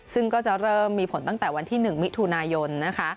ซึ่งก็จะเริ่มมีผลตั้งแต่วันที่๑มิถุนายนนะคะ